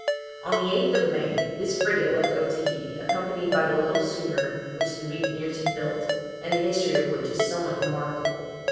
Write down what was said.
On the 8th of May, this frigate left Otaheite, accompanied by the little schooner which the mutineers had built, and the history of which is somewhat remarkable.